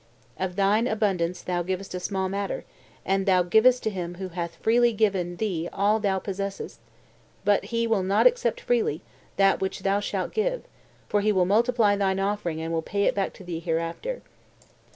Of thine abundance thou givest a small matter, and thou givest to Him who hath freely given thee all thou possessest; but He will not accept freely that which thou shalt give; for he will multiply thine offering and will pay it back to thee hereafter."